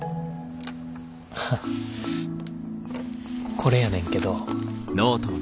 これやねんけど。